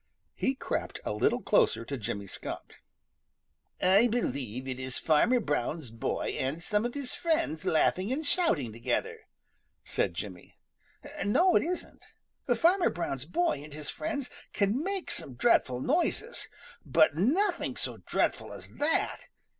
He crept a little closer to Jimmy Skunk. "I believe it is Farmer Brown's boy and some of his friends laughing and shouting together," said Jimmy. "No, it isn't! Farmer Brown's boy and his friends can make some dreadful noises but nothing so dreadful as that.